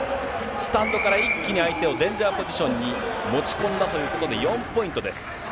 スタンドから一気に相手をデンジャーポジションに持ち込んだということで、４ポイントです。